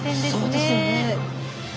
そうですよね。